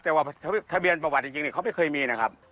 แต่ว่าทะเบียนประวัติจริงเขาไม่เคยมีนะครับ